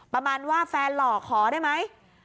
ประมาณว่าแฟนหล่อขอได้ไหม